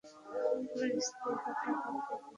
আমার স্ত্রী হঠাত অজ্ঞান হয়ে গেছে।